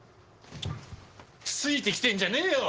ついてきてんじゃねえよ！